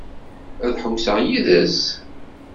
Ad tḥewwseḍ yid-s?